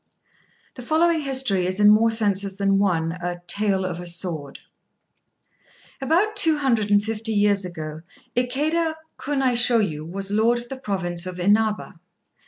The following history is in more senses than one a "Tale of a Sword." About two hundred and fifty years ago Ikéda Kunaishôyu was Lord of the Province of Inaba.